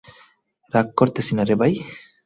রাগ করতাসিনা রে ভাই!